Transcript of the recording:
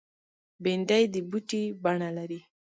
بېنډۍ د بوټي بڼه لري